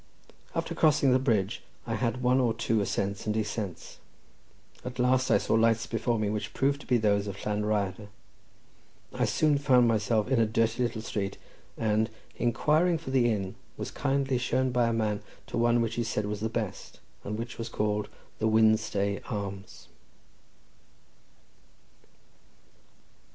After crossing the bridge I had one or two ascents and descents. At last I saw lights before me, which proved to be those of Llan Rhyadr. I soon found myself in a dirty little street, and, inquiring for the inn, was kindly shown by a man to one which he said was the best, and which was called the Wynstay Arms.